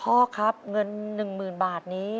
พ่อครับเงิน๑๐๐๐บาทนี้